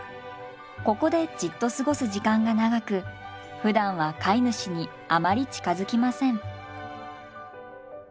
ここでじっと過ごす時間が長くふだんは飼い主にあまり近づきません。